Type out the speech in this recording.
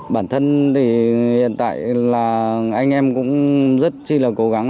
bản thân thì hiện tại là anh em cũng rất chi là cố gắng